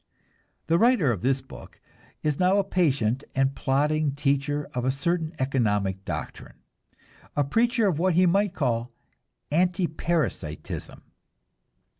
The writer of this book is now a patient and plodding teacher of a certain economic doctrine, a preacher of what he might call anti parasitism.